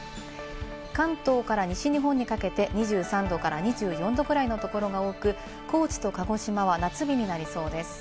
関東から西日本にかけて２３度から２４度ぐらいのところが多く、高知と鹿児島は夏日になりそうです。